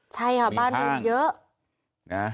ใช่ครับบ้านมืดเยอะ